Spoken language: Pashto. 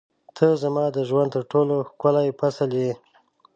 • ته زما د ژوند تر ټولو ښکلی فصل یې.